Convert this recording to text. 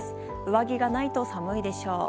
上着がないと寒いでしょう。